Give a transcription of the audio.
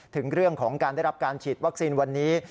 ถึงเรื่องของการได้รับการฉีดวัคซีนวันนี้